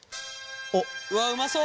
うわうまそう！